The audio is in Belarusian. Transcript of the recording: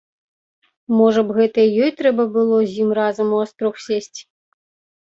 Можа б, гэта і ёй трэба было з ім разам у астрог сесці.